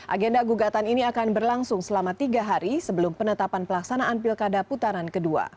agenda gugatan ini akan berlangsung selama tiga hari sebelum penetapan pelaksanaan pilkada putaran kedua